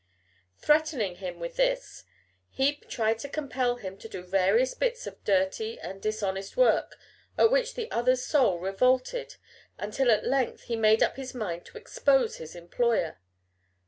Threatening him with this, Heep tried to compel him to do various bits of dirty and dishonest work, at which the other's soul revolted until at length he made up his mind to expose his employer.